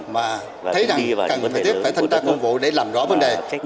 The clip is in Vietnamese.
mà thấy rằng cần phải tiếp phải thanh tra công vụ để làm rõ vấn đề